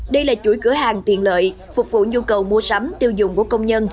đây là chuỗi cửa hàng tiện lợi phục vụ nhu cầu mua sắm tiêu dùng của công nhân